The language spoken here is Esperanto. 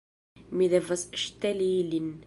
Mi devas ŝteli ilin